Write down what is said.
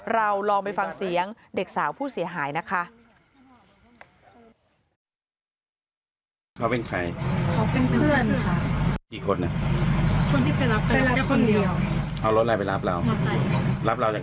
ลองไปฟังเสียงเด็กสาวผู้เสียหายนะคะ